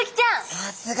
さすが！